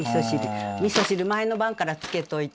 みそ汁前の晩からつけといて。